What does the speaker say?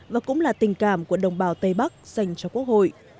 và cũng là tình cảm của đồng bào tây bắc dành cho quốc hội